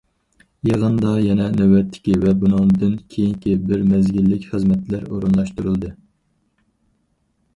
يىغىندا يەنە نۆۋەتتىكى ۋە بۇنىڭدىن كېيىنكى بىر مەزگىللىك خىزمەتلەر ئورۇنلاشتۇرۇلدى.